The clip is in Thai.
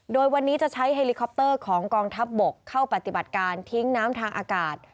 โดยวันนี้จะใช้เฮลิคอปเตอร์ของกองทัพบกเข้าปฏิบัติการทิ้งน้ำทางอากาศ